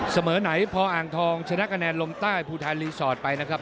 เสมอไหนพออ่างทองชนะคะแนนลมใต้ภูทานรีสอร์ทไปนะครับ